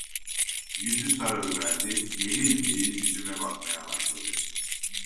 Yüzü sararıverdi, melil melil yüzüme bakmaya başladı.